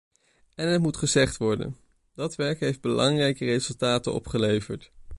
En het moet gezegd worden: dat werk heeft belangrijke resultaten opgeleverd.